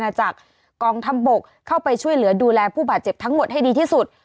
นาจักรกองทัพบกเข้าไปช่วยเหลือดูแลผู้บาดเจ็บทั้งหมดให้ดีที่สุด